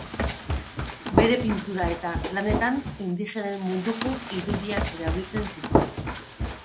Bere pintura eta lanetan indigenen munduko irudiak erabili zituen.